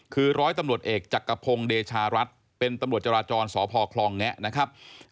คือร้อยตำรวจเอกจักรพงศ์เดชารัฐเป็นตำรวจจราจรสพคลองแงะนะครับ